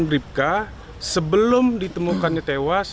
bk sebelum ditemukannya tewas